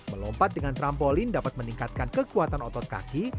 melompat dengan trampolin dapat meningkatkan kekuatan otot kaki